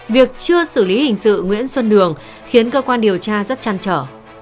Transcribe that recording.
việc chưa xử lý hình sự nguyễn xuân đường khiến cơ quan điều tra rất chăn trở